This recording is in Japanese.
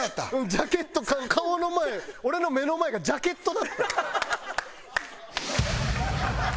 ジャケット顔の前俺の目の前がジャケットだった。